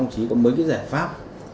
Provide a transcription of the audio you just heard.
chỉ có mấy cái giải pháp